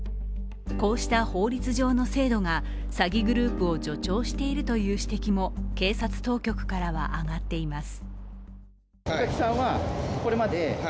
こうした法律上の制度が詐欺グループを助長しているという指摘も警察当局からは挙がっています。